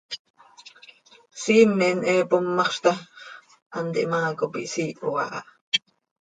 Siimen he pommaxz ta x, hant ihmaa cop ihsiiho aha.